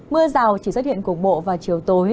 mưa rào chỉ xuất hiện cuộc bộ và chiều tối